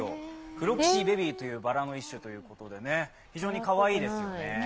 フロキシベビーというバラの一種ということで非常にかわいいですよね。